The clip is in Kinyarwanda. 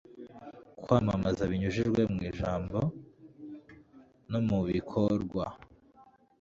kwamamaza binyujijwe mu ijambo no mu bikorwa